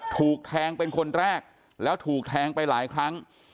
ถูกแทงเป็นคนแรกแล้วถูกแทงไปหลายครั้ง